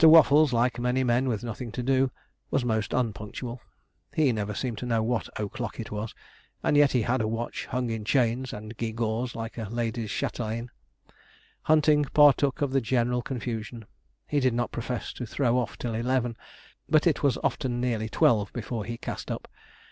Waffles, like many men with nothing to do, was most unpunctual. He never seemed to know what o'clock it was, and yet he had a watch, hung in chains, and gewgaws, like a lady's chatelaine. Hunting partook of the general confusion. He did not profess to throw off till eleven, but it was often nearly twelve before he cast up.